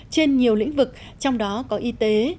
trên nhiều lĩnh vực trong đó có y tế